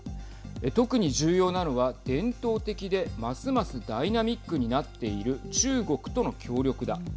特に重要なのは伝統的で、ますますダイナミックになっている中国との協力だ。